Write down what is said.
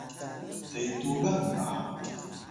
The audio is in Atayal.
te tugan ga